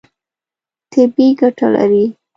طبیعي ګټه لري.